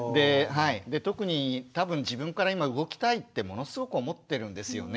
特に多分自分から今動きたいってものすごく思ってるんですよね。